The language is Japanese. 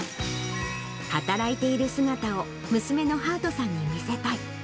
働いている姿を娘のはあとさんに見せたい。